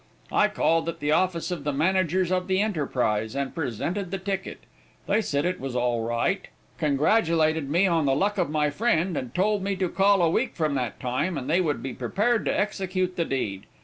I called at the office of the managers of the enterprise, and presented the ticket. They said it was all right; congratulated me on the luck of my friend, and told me to call a week from that time, and they would be prepared to execute the deed.